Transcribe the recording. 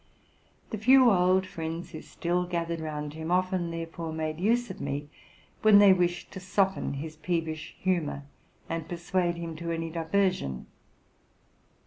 The few old friends who still gathered round him, often, therefore, made use of me when they wished to soften his peevish humor, and persuade him to any diversion.